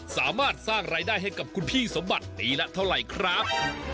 สามารถสร้างรายได้ให้กับคุณพี่สมบัติปีละเท่าไหร่ครับ